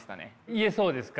言えそうですか？